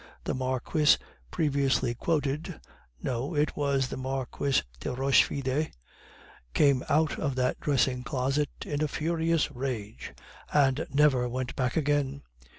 The Marquise previously quoted no, it was the Marquise de Rochefide came out of that dressing closet in a furious rage, and never went back again.